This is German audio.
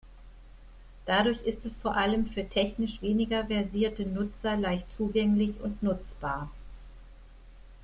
Dadurch ist es vor allem für technisch weniger versierte Nutzer leicht zugänglich und nutzbar.